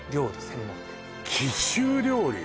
専門店貴州料理？